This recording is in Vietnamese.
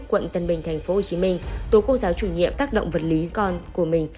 quận tân bình tp hcm tố cô giáo chủ nhiệm tác động vật lý con của mình